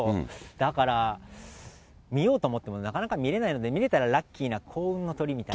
だから、見ようと思ってもなかなか見れないので、見れたらラッキーな幸運な鳥みたいな。